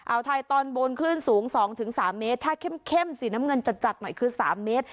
อ่าวไทยตอนบนคลื่นสูงสองถึงสามเมตรถ้าเข้มสีน้ำเงินจาดจัดหน่อยคือสามเมตร